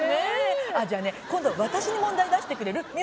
今度私に問題出してくれる？